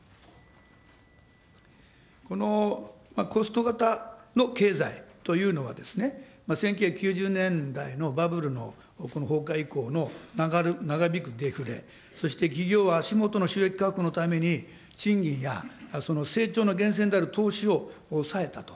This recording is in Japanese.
このコスト型の経済というのはですね、１９９０年代のバブルの崩壊以降の長引くデフレ、そして企業足元の収益確保のために、賃金や成長の源泉である投資を抑えたと。